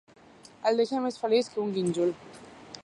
El deixa més feliç que un gínjol.